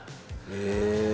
へえ。